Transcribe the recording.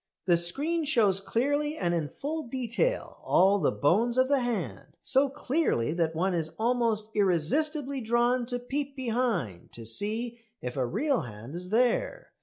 The screen shows clearly and in full detail all the bones of the hand so clearly that one is almost irresistibly drawn to peep behind to see if a real hand is there.